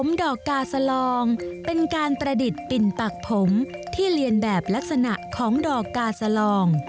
ดอกกาสลองเป็นการประดิษฐ์ปิ่นปากผมที่เรียนแบบลักษณะของดอกกาสลอง